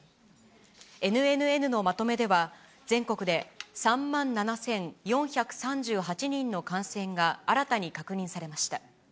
ＮＮＮのまとめでは、全国で３万７４３８人の感染が新たに確認されました。